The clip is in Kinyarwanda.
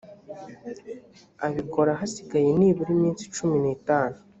abikora hasigaye nibura iminsi cumi n’itanu